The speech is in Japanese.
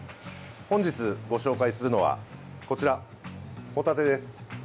本日ご紹介するのは、こちらホタテです。